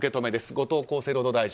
後藤厚生労働大臣。